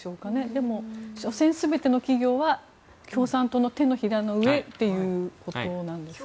でも、所詮、全ての企業は共産党の掌の上ということなんですかね。